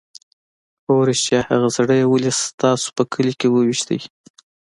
_هو رښتيا! هغه سړی يې ولې ستاسو په کلي کې وويشت؟